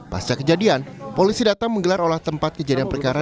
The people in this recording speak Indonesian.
pasca kejadian polisi datang menggelar olah tempat kejadian perkara